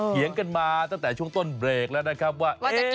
เถียงกันมาตั้งแต่ช่วงต้นเบรกแล้วนะครับว่า